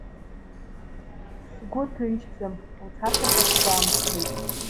Сгәы ҭынчӡам, лцашьақәа сгәамԥхеит.